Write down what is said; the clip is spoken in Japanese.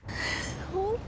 本当？